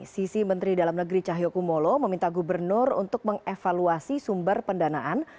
sisi menteri dalam negeri cahyokumolo meminta gubernur untuk mengevaluasi sumber pendanaan